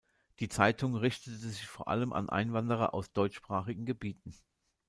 Die Zeitung richtete sich vor allem an Einwanderer aus deutschsprachigen Gebieten.